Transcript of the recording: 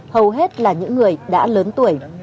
hầu hết là những người đã lớn tuổi